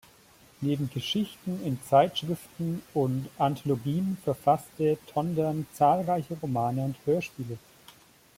Neben Geschichten in Zeitschriften und Anthologien verfasste Tondern zahlreiche Romane und Hörspiele.